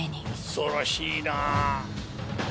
恐ろしいな。